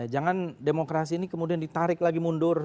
jangan demokrasi ini kemudian ditarik lagi mundur